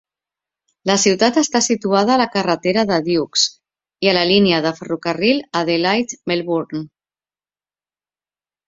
La ciutat està situada a la carretera de Dukes i a la línia de ferrocarril Adelaide-Melbourne.